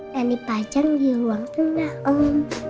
dan dipajang di ruang tenang